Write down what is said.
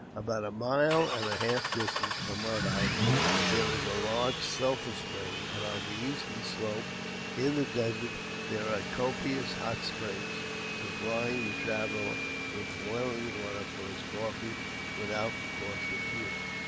About a mile and a half distant from my house there is a large sulphur spring, and on the eastern slope, in the desert, there 4ire copious hot springs, supplying the traveller with boihng water for his coffee without the cost of fuel.